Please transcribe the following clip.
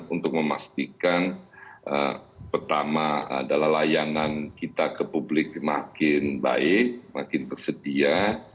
untuk memastikan pertama adalah layanan kita ke publik makin baik makin tersedia